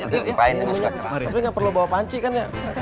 tapi gak perlu bawa panci kan ya